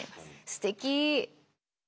すてき。